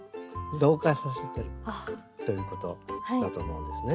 同化させてるということだと思うんですね。